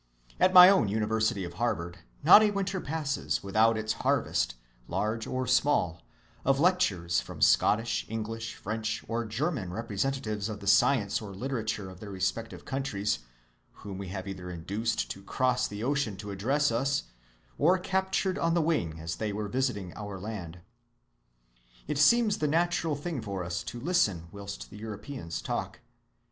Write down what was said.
At my own University of Harvard, not a winter passes without its harvest, large or small, of lectures from Scottish, English, French, or German representatives of the science or literature of their respective countries whom we have either induced to cross the ocean to address us, or captured on the wing as they were visiting our land. It seems the natural thing for us to listen whilst the Europeans talk.